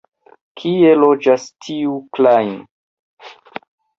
Kie loĝas tiu Klajn?